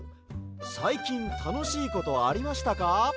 「さいきんたのしいことありましたか？」